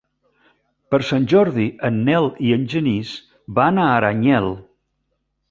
Per Sant Jordi en Nel i en Genís van a Aranyel.